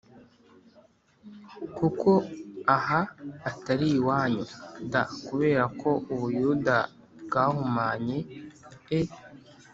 kuko aha atari iwanyu d Kubera ko u Buyuda bwahumanye e